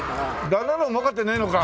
旦那の方がもうかってねえのか。